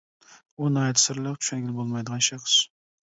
ئۇ ناھايىتى سىرلىق، چۈشەنگىلى بولمايدىغان شەخس.